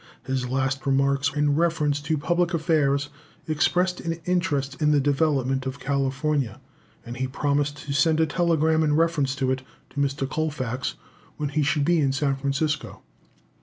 His last remarks in reference to public affairs expressed an interest in the development of California, and he promised to send a telegram in reference to it to Mr. Colfax when he should be in San Francisco.